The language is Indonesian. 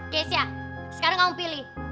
keisha sekarang kamu pilih